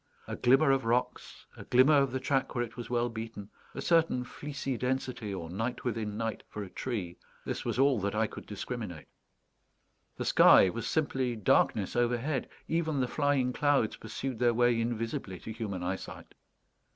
A glimmer of rocks, a glimmer of the track where it was well beaten, a certain fleecy density, or night within night, for a tree this was all that I could discriminate. The sky was simply darkness overhead; even the flying clouds pursued their way invisibly to human eyesight.